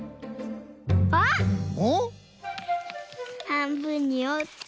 はんぶんにおって。